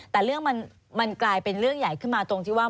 แต่เรื่องมันกลายเป็นเรื่องใหญ่ขึ้นมาตรงที่ว่า